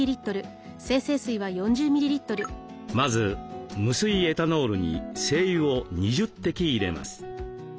まず無水エタノールに精油を２０滴入れます。